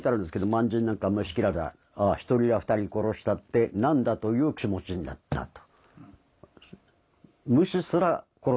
「『満人なんか虫ケラだ一人や二人殺したって何だ』という気持ちになった」と。